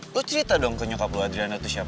terus lo cerita dong ke nyokap lo adriana itu siapa